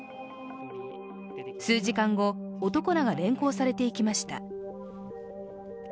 数時間後、男らが連行されていきました。